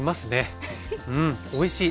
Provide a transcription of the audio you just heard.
うんおいしい。